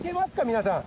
皆さん。